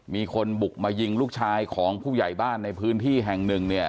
มีคนบุกมายิงลูกชายของผู้ใหญ่บ้านในพื้นที่แห่ง๑